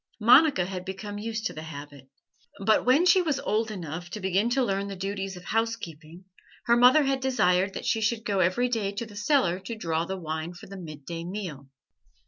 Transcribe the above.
Monica had become used to the habit, but when she was old enough to begin to learn the duties of housekeeping her mother had desired that she should go every day to the cellar to draw the wine for the midday meal.